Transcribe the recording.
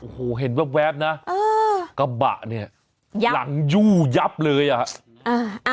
โอ้โหเห็นแวบนะเออกระบะเนี่ยหลังยู่ยับเลยอ่ะ